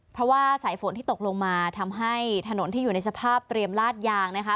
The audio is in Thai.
เพราะว่าสายฝนที่ตกลงมาทำให้ถนนที่อยู่ในสภาพเตรียมลาดยางนะคะ